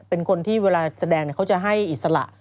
เป็นคนที่เวลาแสดงเขาจะให้อิสระ